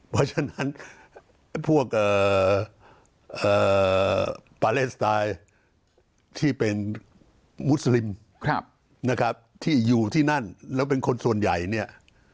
เพราะฉะนั้นพวกปาเลสไตล์ที่เป็นมุสลิมนะครับที่อยู่ที่นั่นแล้วเป็นคนส่วนใหญ่เนี่ย